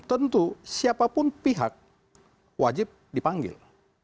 tentu siapapun pihak wajib dipanggil